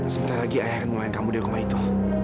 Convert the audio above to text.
sebentar lagi ayah akan mulai kamu di rumah itu